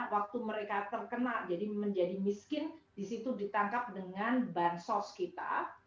waktu mereka terkena jadi menjadi miskin disitu ditangkap dengan bank sosial kita